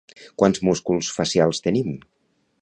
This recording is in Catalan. Quants músculs facials tenim?